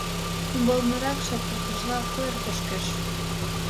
Умбалныракше пырдыжла куэр кушкеш.